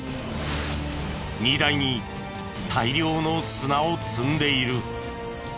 荷台に大量の砂を積んでいる。